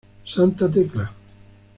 Santa Tecla